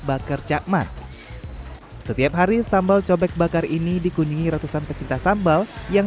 bakar cakmat setiap hari sambal cobek bakar ini dikunningi ratusan pecinta sambal yang